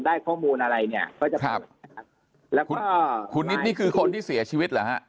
ได้ข้อมูลอะไรเนี่ยแล้วคุณนิดนี่คือคนที่เสียชีวิตหรอฮะ